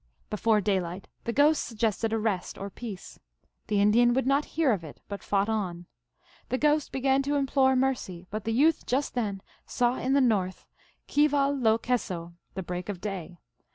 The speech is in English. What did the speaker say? Before daylight the Ghost suggested a rest, or peace ; the Indian would not hear of it, but fought on. The Ghost began to implore mercy, but the youth just then saw in the north Kwal lo kesso, the break of day.